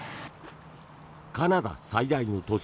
カナダ最大の都市